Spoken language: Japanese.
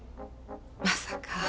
まさか。